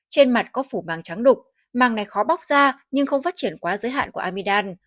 trên mặt có phủ màng trắng đục màng này khó bóc ra nhưng không phát triển quá giới hạn của amidam